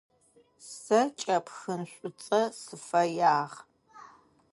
Сэ кӏэпхын шӏуцӏэ сыфэягъ.